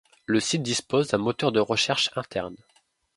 Le site dispose d'un moteur de recherche interne.